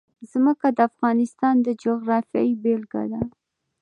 ځمکه د افغانستان د جغرافیې بېلګه ده.